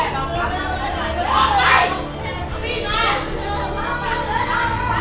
อย่าเอามันเดินเข้ามา